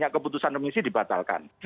keputusan remisi dibatalkan